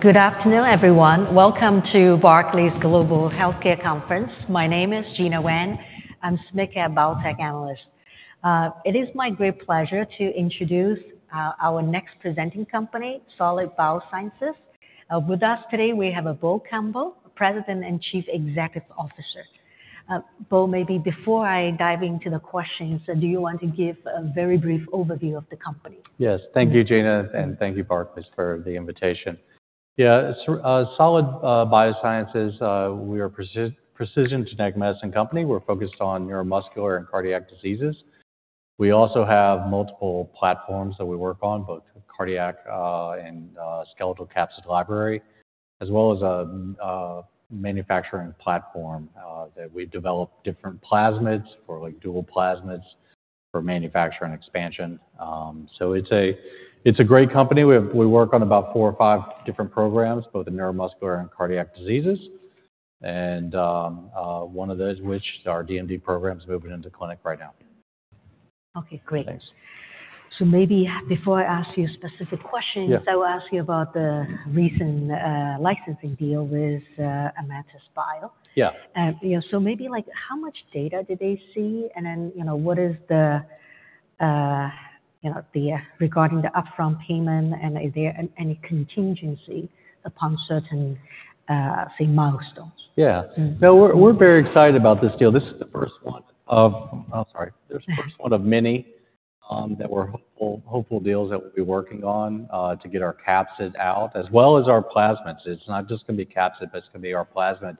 Good afternoon, everyone. Welcome to Barclays Global Healthcare Conference. My name is Gena Wang. I'm a Senior Biotech Analyst. It is my great pleasure to introduce our next presenting company, Solid Biosciences. With us today we have Bo Cumbo, President and Chief Executive Officer. Bo, maybe before I dive into the questions, do you want to give a very brief overview of the company? Yes. Thank you, Gena, and thank you, Barclays, for the invitation. Yeah, it's our Solid Biosciences, we are precision, precision genetic medicine company. We're focused on neuromuscular and cardiac diseases. We also have multiple platforms that we work on, both cardiac, and skeletal capsid library, as well as a manufacturing platform that we develop different plasmids for, like dual plasmids for manufacturing expansion. So it's a great company. We work on about four or five different programs, both in neuromuscular and cardiac diseases, and one of those which our DMD program's moving into clinic right now. Okay. Great. Thanks. Maybe before I ask you specific questions. Yes. I will ask you about the recent licensing deal with Armatus Bio. Yeah. You know, so maybe, like, how much data did they see? And then, you know, what is the, you know, the regarding the upfront payment, and is there any contingency upon certain, say, milestones? Yeah. Mm-hmm. Now, we're very excited about this deal. This is the first one of many that we're hopeful deals that we'll be working on, to get our capsids out, as well as our plasmids. It's not just gonna be capsid, but it's gonna be our plasmid,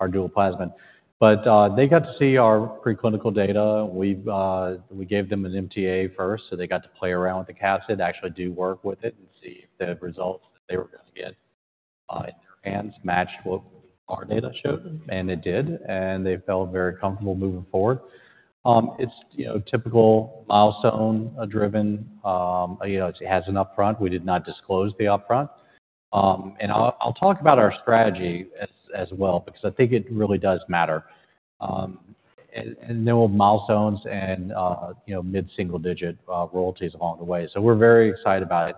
our dual plasmid. But they got to see our preclinical data. We gave them an MTA first, so they got to play around with the capsid, actually do work with it, and see if the results that they were gonna get, in their hands matched what our data showed. And it did. And they felt very comfortable moving forward. It's, you know, typical milestone-driven. You know, it has an upfront. We did not disclose the upfront. And I'll talk about our strategy as well, because I think it really does matter. And there will be milestones and, you know, mid-single digit royalties along the way. So we're very excited about it.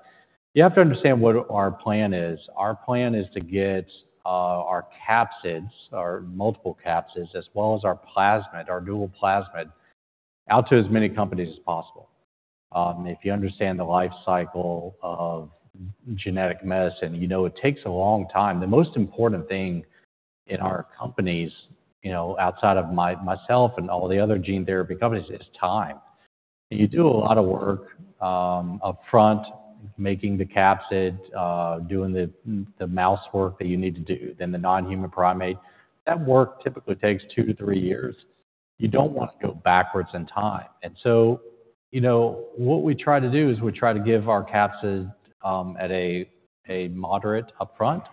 You have to understand what our plan is. Our plan is to get our capsids, our multiple capsids, as well as our plasmid, our dual plasmid, out to as many companies as possible. If you understand the life cycle of genetic medicine, you know it takes a long time. The most important thing in our companies, you know, outside of myself and all the other gene therapy companies, is time. You do a lot of work upfront, making the capsid, doing the mouse work that you need to do, then the non-human primate. That work typically takes two to three years. You don't wanna go backwards in time. And so, you know, what we try to do is we try to give our capsid at a moderate upfront.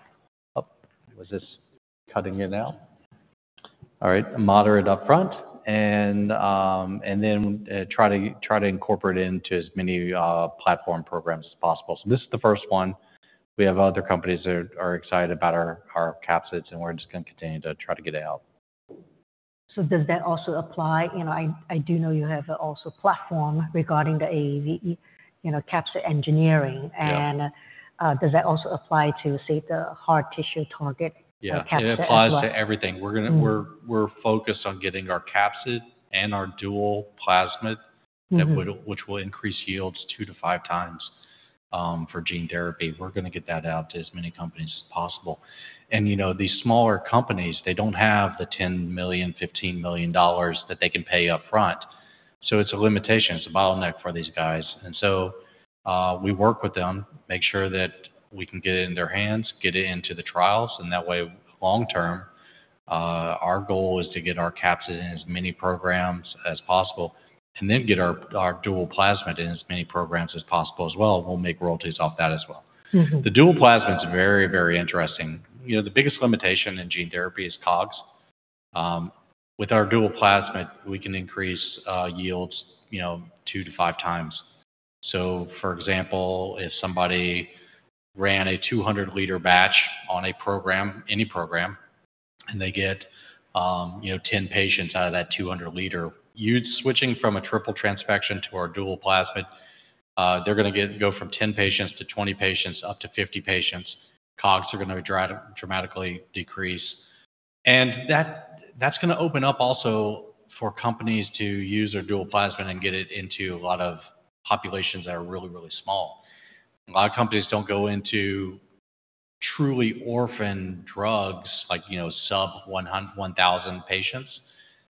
Moderate upfront. And then try to incorporate it into as many platform programs as possible. So this is the first one. We have other companies that are excited about our capsids, and we're just gonna continue to try to get it out. Does that also apply, you know? I do know you also have a platform regarding the AAV, you know, capsid engineering. Yeah. Does that also apply to, say, the hard tissue target? Yeah. Or capsid engineering? Yeah. It applies to everything. We're gonna. We're focused on getting our capsid and our dual plasmid. Mm-hmm. which will increase yields 2-5 times for gene therapy. We're gonna get that out to as many companies as possible. And, you know, these smaller companies, they don't have the $10 million, $15 million that they can pay upfront. So it's a limitation. It's a bottleneck for these guys. And so, we work with them, make sure that we can get it in their hands, get it into the trials, and that way, long term, our goal is to get our capsid in as many programs as possible, and then get our, our dual plasmid in as many programs as possible as well. We'll make royalties off that as well. Mm-hmm. The dual plasmid's very, very interesting. You know, the biggest limitation in gene therapy is COGS. With our dual plasmid, we can increase yields, you know, 2-5 times. So, for example, if somebody ran a 200-liter batch on a program, any program, and they get, you know, 10 patients out of that 200-liter. By switching from a triple transfection to our dual plasmid, they're gonna go from 10 patients to 20 patients, up to 50 patients. COGS are gonna dry up dramatically and decrease. And that, that's gonna open up also for companies to use their dual plasmid and get it into a lot of populations that are really, really small. A lot of companies don't go into truly orphaned drugs, like, you know, sub-100 to 1,000 patients,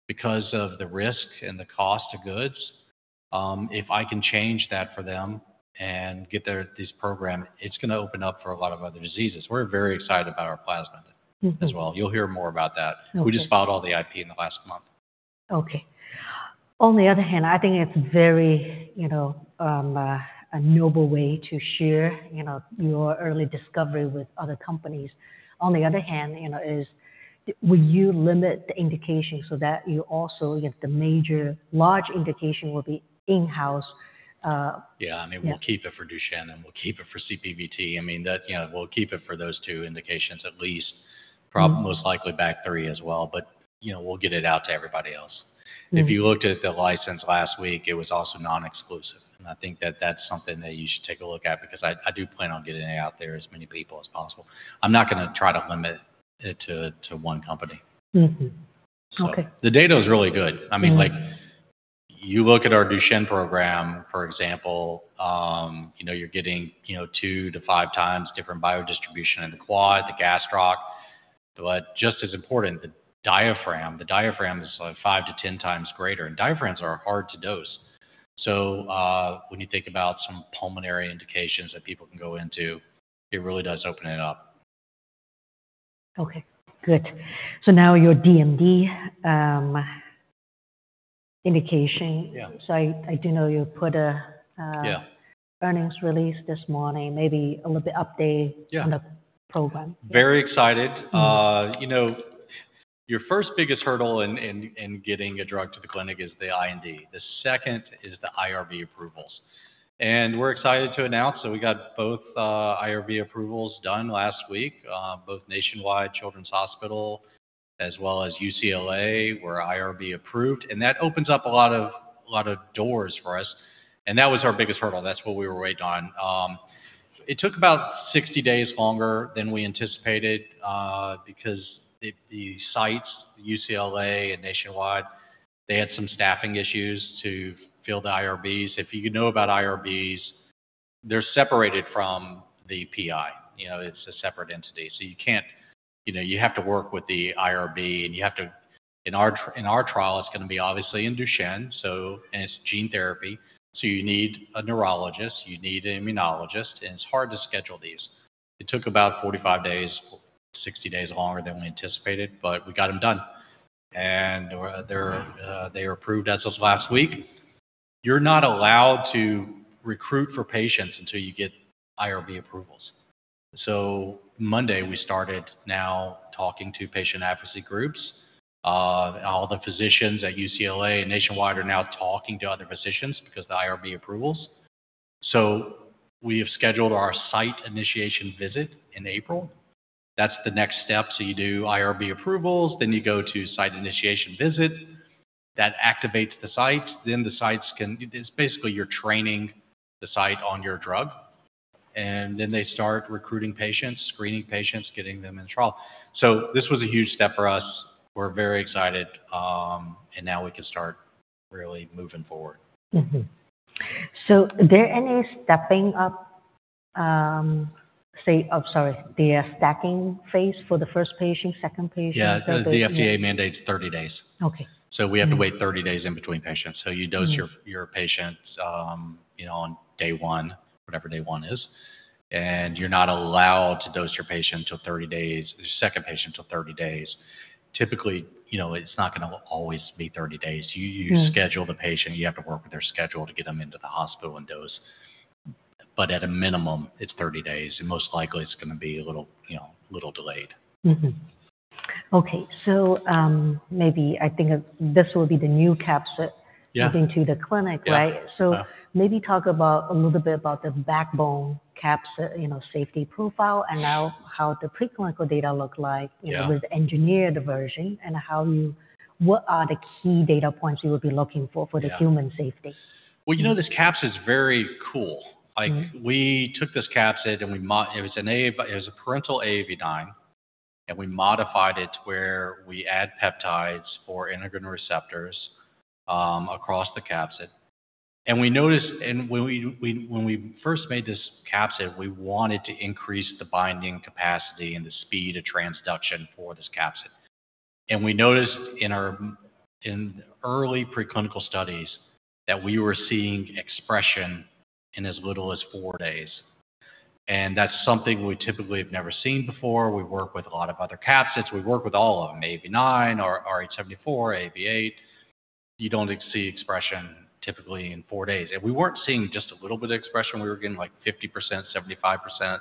because of the risk and the cost of goods. If I can change that for them and get their disease program, it's gonna open up for a lot of other diseases. We're very excited about our plasmid. Mm-hmm. As well. You'll hear more about that. Okay. We just filed all the IP in the last month. Okay. On the other hand, I think it's very, you know, a noble way to share, you know, your early discovery with other companies. On the other hand, you know, will you limit the indication so that you also you know, the major large indication will be in-house? Yeah. I mean, we'll keep it for Duchenne. We'll keep it for CPVT. I mean, you know, we'll keep it for those two indications, at least. Probably most likely BAG3 as well. But, you know, we'll get it out to everybody else. Mm-hmm. If you looked at the license last week, it was also nonexclusive. I think that that's something that you should take a look at, because I, I do plan on getting it out there to as many people as possible. I'm not gonna try to limit it to, to one company. Mm-hmm. Okay. So the data's really good. I mean, like, you look at our Duchenne program, for example, you know, you're getting, you know, 2-5 times different biodistribution in the quad, the gastroc. But just as important, the diaphragm. The diaphragm is, like, 5-10 times greater. And diaphragms are hard to dose. So, when you think about some pulmonary indications that people can go into, it really does open it up. Okay. Good. So now your DMD indication. Yeah. I do know you put a, Yeah. Earnings release this morning. Maybe a little bit update. Yeah. On the program. Very excited. You know, your first biggest hurdle in getting a drug to the clinic is the IND. The second is the IRB approvals. And we're excited to announce that we got both IRB approvals done last week. Both Nationwide Children's Hospital, as well as UCLA, were IRB approved. And that opens up a lot of a lot of doors for us. And that was our biggest hurdle. That's what we were waiting on. It took about 60 days longer than we anticipated, because the sites, UCLA and Nationwide Children's Hospital, they had some staffing issues to fill the IRBs. If you know about IRBs, they're separated from the PI. You know, it's a separate entity. So you can't you know, you have to work with the IRB, and you have to in our trial, it's gonna be obviously in Duchenne, so and it's gene therapy. So you need a neurologist. You need an immunologist. And it's hard to schedule these. It took about 45 days, 60 days longer than we anticipated, but we got them done. And they're, they were approved as of last week. You're not allowed to recruit for patients until you get IRB approvals. So Monday, we started now talking to patient advocacy groups. All the physicians at UCLA and Nationwide are now talking to other physicians because of the IRB approvals. So we have scheduled our site initiation visit in April. That's the next step. So you do IRB approvals, then you go to site initiation visit. That activates the site. Then the sites can. It's basically you're training the site on your drug. And then they start recruiting patients, screening patients, getting them in trial. So this was a huge step for us. We're very excited. Now we can start really moving forward. Mm-hmm. So there any stepping up. The stacking phase for the first patient, second patient. Yeah. The FDA mandates 30 days. Okay. So we have to wait 30 days in between patients. So you dose your patients, you know, on day one, whatever day one is. And you're not allowed to dose your patient till 30 days, your second patient till 30 days. Typically, you know, it's not gonna always be 30 days. You schedule the patient. You have to work with their schedule to get them into the hospital and dose. But at a minimum, it's 30 days. And most likely, it's gonna be a little, you know, a little delayed. Mm-hmm. Okay. So, maybe I think of this will be the new capsid. Yeah. Moving to the clinic, right? Yeah. Yeah. Maybe talk about a little bit about the backbone capsid, you know, safety profile, and now how the preclinical data look like. Yeah. You know, with the engineered version, and what are the key data points you would be looking for for the human safety? Well, you know, this capsid's very cool. Like. Mm-hmm. We took this capsid, and we modified it. It was an AAV. It was a parental AAV9. And we modified it to where we add peptides for endocrine receptors, across the capsid. And we noticed when we first made this capsid, we wanted to increase the binding capacity and the speed of transduction for this capsid. And we noticed in our early preclinical studies that we were seeing expression in as little as four days. And that's something we typically have never seen before. We work with a lot of other capsids. We work with all of them, AAV9, RH74, AAV8. You don't expect to see expression typically in four days. And we weren't seeing just a little bit of expression. We were getting, like, 50%, 75%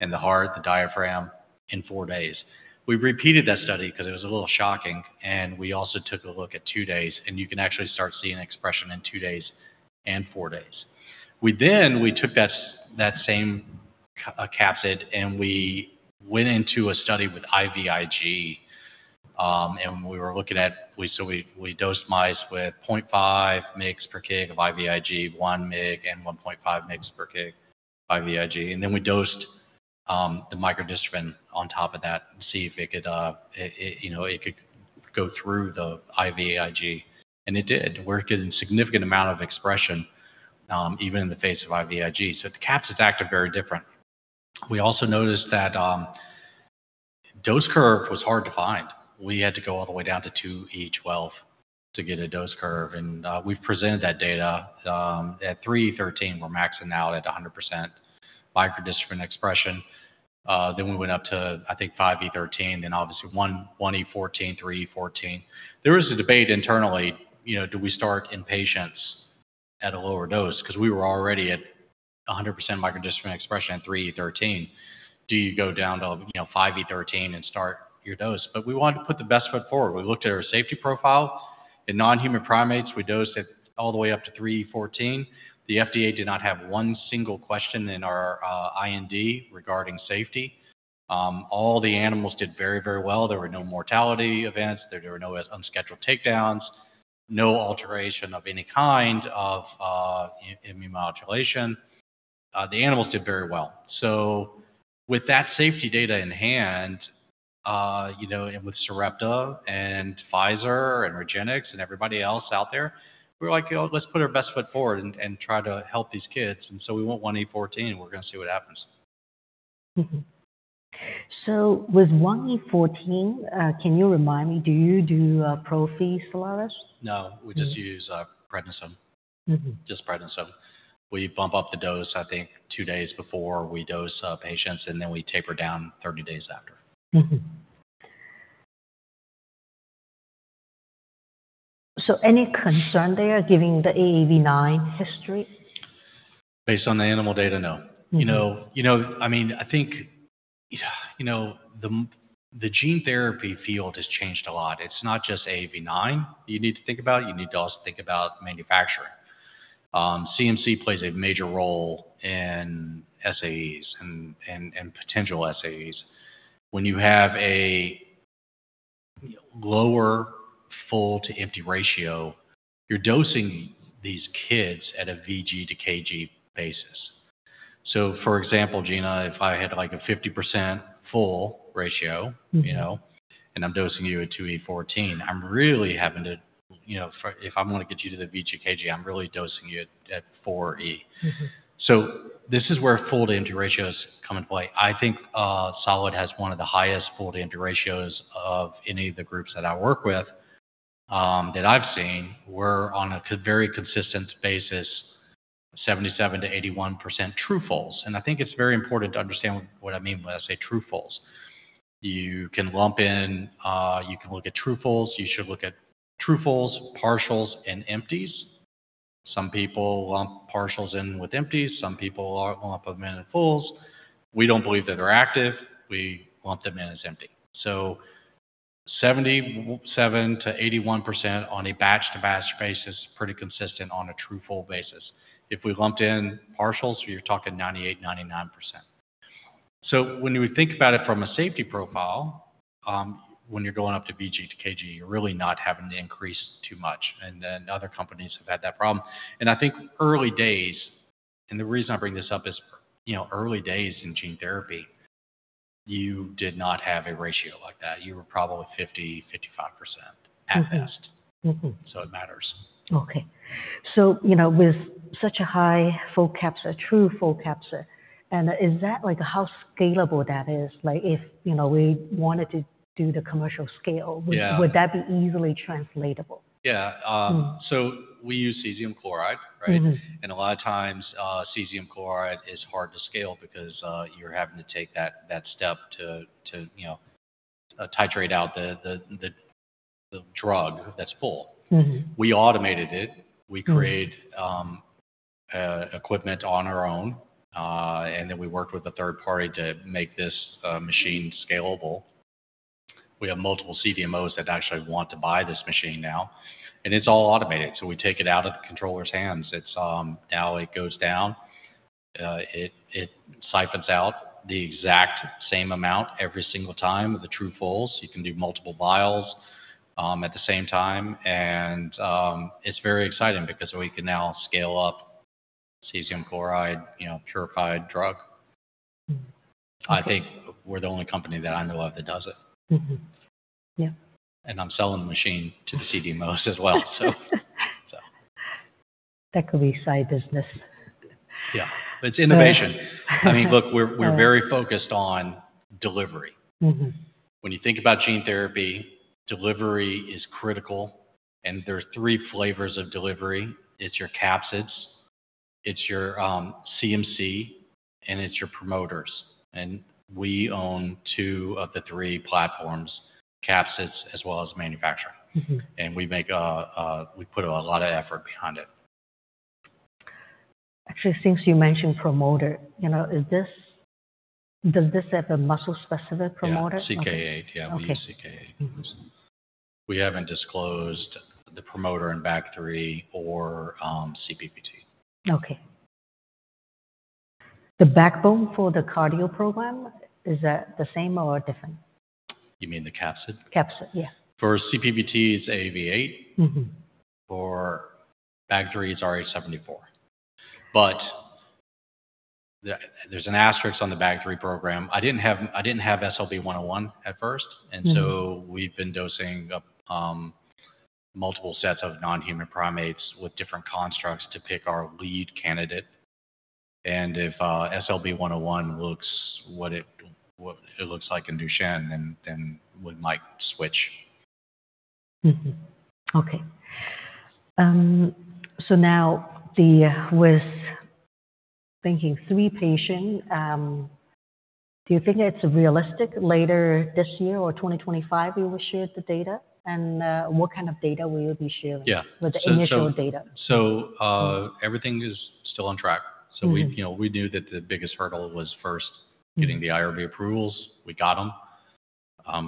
in the heart, the diaphragm, in four days. We repeated that study 'cause it was a little shocking. And we also took a look at 2 days. And you can actually start seeing expression in 2 days and 4 days. We then took that same capsid, and we went into a study with IVIG. And we were looking at, so we dosed mice with 0.5 mg/kg of IVIG, 1 mg/kg, and 1.5 mg/kg of IVIG. And then we dosed the microdystrophin on top of that to see if it could, you know, it could go through the IVIG. And it did. We're getting a significant amount of expression, even in the face of IVIG. So the capsids acted very different. We also noticed that dose curve was hard to find. We had to go all the way down to 2E12 to get a dose curve. And we've presented that data. At 3E13, we're maxing out at 100% microdystrophin expression. Then we went up to, I think, 5E13. Then obviously, 1E14, 3E14. There was a debate internally, you know, do we start in patients at a lower dose? 'Cause we were already at 100% microdystrophin expression at 3E13. Do you go down to, you know, 5E13 and start your dose? But we wanted to put the best foot forward. We looked at our safety profile. In non-human primates, we dosed it all the way up to 3E14. The FDA did not have one single question in our IND regarding safety. All the animals did very, very well. There were no mortality events. There were no unscheduled takedowns, no alteration of any kind of immunomodulation. The animals did very well. So with that safety data in hand, you know, and with Sarepta and Pfizer and RegenxBio and everybody else out there, we were like, "You know, let's put our best foot forward and try to help these kids. And so we went 1E14. We're gonna see what happens. Mm-hmm. So with 1E14, can you remind me, do you do, prophylactic Soliris? No. We just use prednisone. Mm-hmm. Just prednisone. We bump up the dose, I think, 2 days before we dose patients, and then we taper down 30 days after. Mm-hmm. So any concern there given the AAV9 history? Based on the animal data, no. Mm-hmm. You know, you know, I mean, I think, you know, the gene therapy field has changed a lot. It's not just AAV9 that you need to think about. You need to also think about manufacturing. CMC plays a major role in SAEs and potential SAEs. When you have a, you know, lower full-to-empty ratio, you're dosing these kids at a VG to KG basis. So, for example, Gena, if I had, like, a 50% full ratio. Mm-hmm. You know, and I'm dosing you at 2E14, I'm really having to, you know, if I wanna get you to the VG to KG, I'm really dosing you at, at 4E. Mm-hmm. So this is where full-to-empty ratios come into play. I think, Solid has one of the highest full-to-empty ratios of any of the groups that I work with, that I've seen. We're on a very consistent basis, 77%-81% true fulls. And I think it's very important to understand what I mean when I say true fulls. You can lump in, you can look at true fulls. You should look at true fulls, partials, and empties. Some people lump partials in with empties. Some people lump them in as fulls. We don't believe that they're active. We lump them in as empty. So 77%-81% on a batch-to-batch basis is pretty consistent on a true/full basis. If we lumped in partials, you're talking 98%-99%. So when you think about it from a safety profile, when you're going up to VG to KG, you're really not having to increase too much. And then other companies have had that problem. And I think early days and the reason I bring this up is, you know, early days in gene therapy, you did not have a ratio like that. You were probably 50%-55% at best. Mm-hmm. Mm-hmm. So it matters. Okay. So, you know, with such a high full capsid, true full capsid, and, is that, like, how scalable that is? Like, if, you know, we wanted to do the commercial scale? Yeah. Would that be easily translatable? Yeah. So we use cesium chloride, right? Mm-hmm. A lot of times, cesium chloride is hard to scale because you're having to take that step to, you know, titrate out the drug that's full. Mm-hmm. We automated it. We created equipment on our own, and then we worked with a third party to make this machine scalable. We have multiple CDMOs that actually want to buy this machine now. And it's all automated. So we take it out of the controller's hands. It's now it goes down. It siphons out the exact same amount every single time of the true fulls. You can do multiple vials at the same time. And it's very exciting because we can now scale up cesium chloride, you know, purified drug. I think we're the only company that I know of that does it. Mm-hmm. Yeah. I'm selling the machine to the CDMOs as well, so, so. That could be side business. Yeah. But it's innovation. I mean, look, we're very focused on delivery. Mm-hmm. When you think about gene therapy, delivery is critical. There are three flavors of delivery. It's your capsids. It's your CMC. It's your promoters. We own two of the three platforms, capsids as well as manufacturing. Mm-hmm. We make, we put a lot of effort behind it. Actually, since you mentioned promoter, you know, does this have a muscle-specific promoter? Yeah. CK8. Yeah. We use CK8. Okay. We haven't disclosed the promoter in BAG3 or CPVT. Okay. The backbone for the cardio program, is that the same or different? You mean the capsid? Capsid. Yeah. For CPVT, it's AAV8. Mm-hmm. For BAG3, it's RH74. But there, there's an asterisk on the BAG3 program. I didn't have SLB101 at first. And so we've been dosing up multiple sets of non-human primates with different constructs to pick our lead candidate. And if SLB101 looks like what it looks like in Duchenne, then we might switch. Mm-hmm. Okay. So now, with the third patient, do you think it's realistic later this year or 2025 you will share the data? And, what kind of data will you be sharing? Yeah. So. With the initial data? Everything is still on track. We. Mm-hmm. You know, we knew that the biggest hurdle was first getting the IRB approvals. We got them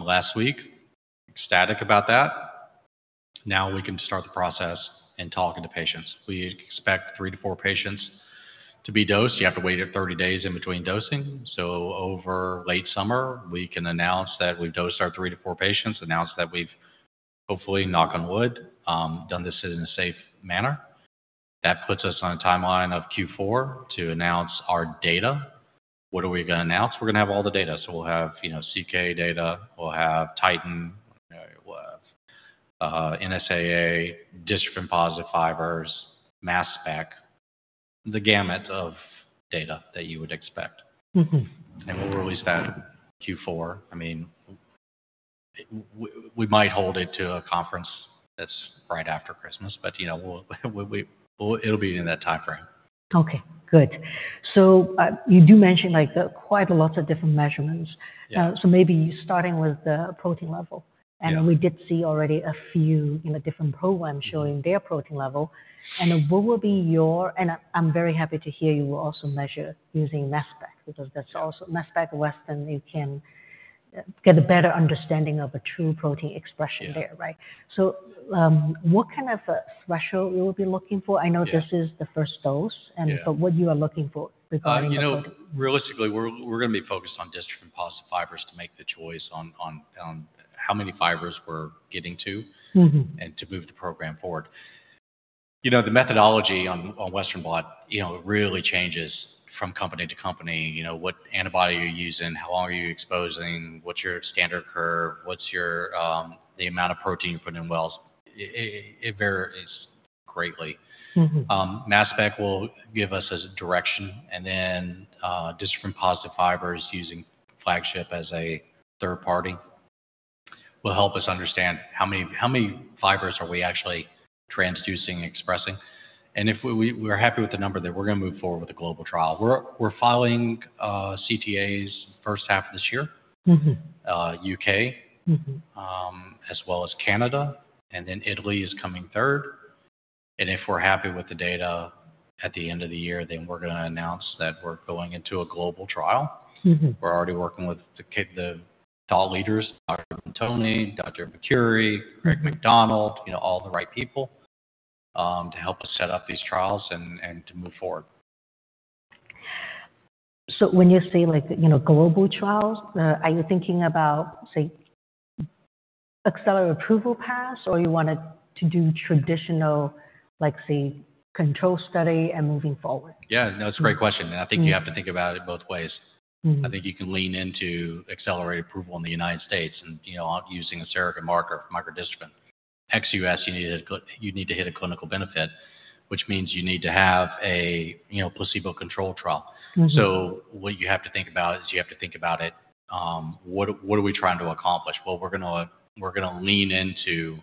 last week. Ecstatic about that. Now we can start the process and talk to patients. We expect 3-4 patients to be dosed. You have to wait 30 days in between dosing. So over late summer, we can announce that we've dosed our 3-4 patients, announce that we've hopefully, knock on wood, done this in a safe manner. That puts us on a timeline of Q4 to announce our data. What are we gonna announce? We're gonna have all the data. So we'll have, you know, CK data. We'll have Titan, you know, we'll have NSAA, dystrophin-positive fibers, mass spec, the gamut of data that you would expect. Mm-hmm. We'll release that Q4. I mean, we might hold it to a conference that's right after Christmas. But, you know, we'll, it'll be in that timeframe. Okay. Good. So, you do mention, like, the quite a lot of different measurements. Yeah. Maybe starting with the protein level. Yeah. We did see already a few in a different program showing their protein level. What will be your and I'm very happy to hear you will also measure using mass spec because that's also mass spec western, you can get a better understanding of a true protein expression there, right? Yeah. What kind of a threshold you will be looking for? I know this is the first dose. Mm-hmm. But what you are looking for regarding the. You know, realistically, we're gonna be focused on dystrophin-positive fibers to make the choice on how many fibers we're getting to. Mm-hmm. To move the program forward. You know, the methodology on Western Blot, you know, it really changes from company to company. You know, what antibody you're using, how long are you exposing, what's your standard curve, what's your, the amount of protein you're putting in wells. It varies greatly. Mm-hmm. Mass spec will give us a direction. And then, dystrophin-positive fibers using Flagship as a third party will help us understand how many how many fibers are we actually transducing, expressing. And if we're happy with the number there, we're gonna move forward with a global trial. We're filing CTAs first half of this year. Mm-hmm. UK. Mm-hmm. As well as Canada. Then Italy is coming third. If we're happy with the data at the end of the year, then we're gonna announce that we're going into a global trial. Mm-hmm. We're already working with the thought leaders, Dr. Muntoni, Dr. Mercuri. Right. McDonald, you know, all the right people, to help us set up these trials and to move forward. When you say, like, you know, global trials, are you thinking about, say, accelerated approval path, or you want to do traditional, like, say, controlled study and moving forward? Yeah. No, it's a great question. I think you have to think about it both ways. Mm-hmm. I think you can lean into accelerated approval in the United States and, you know, I'm using a surrogate and marker microdystrophin. Ex-US, you need to hit a clinical benefit, which means you need to have a, you know, placebo control trial. Mm-hmm. So what you have to think about is what are we trying to accomplish? Well, we're gonna lean into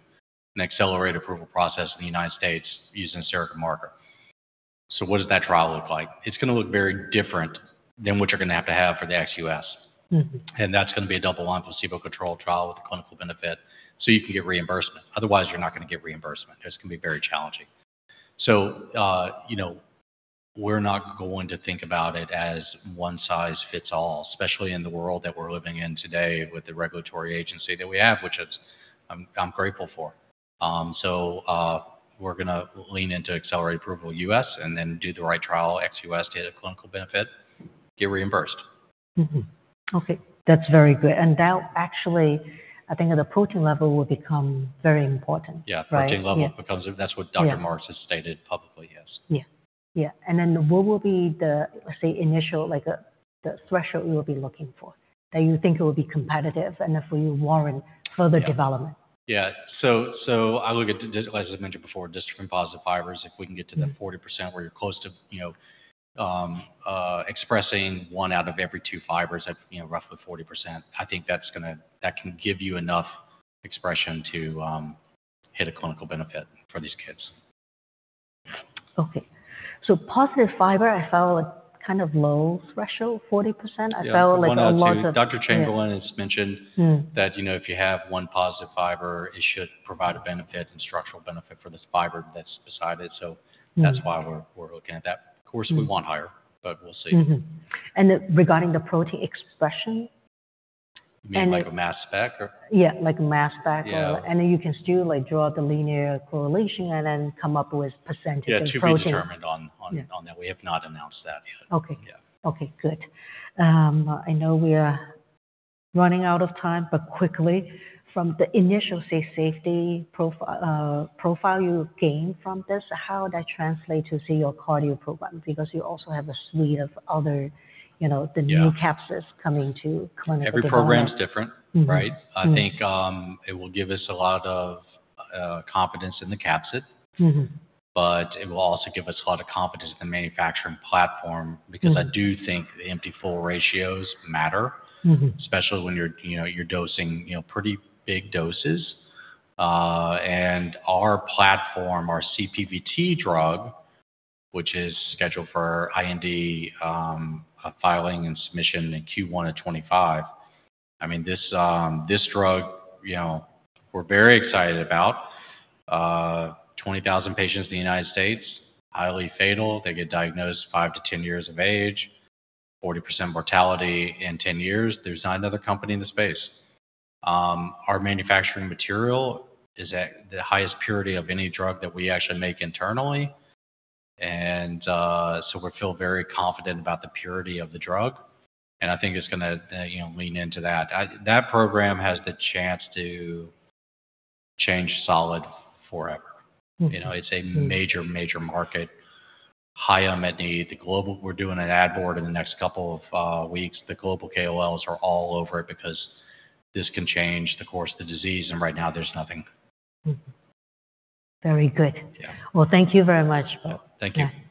an accelerated approval process in the United States using a surrogate marker. So what does that trial look like? It's gonna look very different than what you're gonna have to have for the ex-US. Mm-hmm. That's gonna be a double-blind placebo control trial with a clinical benefit so you can get reimbursement. Otherwise, you're not gonna get reimbursement. It's gonna be very challenging. So, you know, we're not going to think about it as one-size-fits-all, especially in the world that we're living in today with the regulatory agency that we have, which it's I'm grateful for. So, we're gonna lean into accelerate approval US and then do the right trial, XUS, to hit a clinical benefit, get reimbursed. Mm-hmm. Okay. That's very good. And that actually, I think, at the protein level will become very important, right? Yeah. Protein level becomes that's what Dr. Marks has stated publicly. Yes. Yeah. Yeah. And then what will be the, let's say, initial, like, the threshold you will be looking for that you think it will be competitive enough for you to warrant further development? Yeah. Yeah. So, I look at DMD, as I mentioned before, dystrophin-positive fibers, if we can get to that 40% where you're close to, you know, expressing 1 out of every two fibers at, you know, roughly 40%, I think that's gonna, that can give you enough expression to hit a clinical benefit for these kids. Okay. So positive fiber, I felt a kind of low threshold, 40%. I felt, like, a lot of. Dr. Chamberlain has mentioned. Mm-hmm. That, you know, if you have one positive fiber, it should provide a benefit and structural benefit for this fiber that's beside it. So that's why we're looking at that. Of course, we want higher, but we'll see. Mm-hmm. Regarding the protein expression and. You mean, like, a mass spec or? Yeah. Like a mass spec or. Yeah. And then you can still, like, draw the linear correlation and then come up with percentage of protein. Yeah. It should be determined on that. We have not announced that yet. Okay. Yeah. Okay. Good. I know we are running out of time, but quickly, from the initial, say, safety profile you gained from this, how would that translate to, say, your cardio program? Because you also have a suite of other, you know, the new capsids coming to clinical development. Every program's different, right? Mm-hmm. I think it will give us a lot of confidence in the capsid. Mm-hmm. But it will also give us a lot of confidence in the manufacturing platform because I do think the empty-full ratios matter. Mm-hmm. Especially when you're, you know, you're dosing, you know, pretty big doses. And our platform, our CPVT drug, which is scheduled for IND filing and submission in Q1 of 2025, I mean, this, this drug, you know, we're very excited about. 20,000 patients in the United States, highly fatal. They get diagnosed five to 10 years of age, 40% mortality in 10 years. There's not another company in the space. Our manufacturing material is at the highest purity of any drug that we actually make internally. And, so we feel very confident about the purity of the drug. And I think it's gonna, you know, lean into that. I that program has the chance to change Solid forever. Mm-hmm. You know, it's a major, major market, high unmet need. The global, we're doing an ad board in the next couple of weeks. The global KOLs are all over it because this can change the course of the disease. Right now, there's nothing. Mm-hmm. Very good. Yeah. Well, thank you very much, Bob. Thank you.